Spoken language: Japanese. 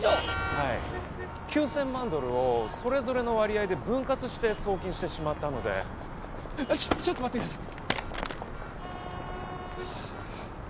はい９千万ドルをそれぞれの割合で分割して送金してしまったのでちょっと待ってください